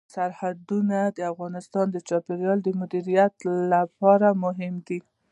سرحدونه د افغانستان د چاپیریال د مدیریت لپاره مهم دي.